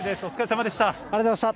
お疲れさまでした。